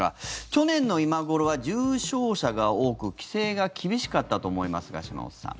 去年の今頃は重症者が多く規制が厳しかったと思いますが島本さん。